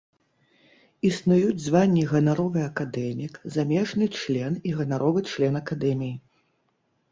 Існуюць званні ганаровы акадэмік, замежны член і ганаровы член акадэміі.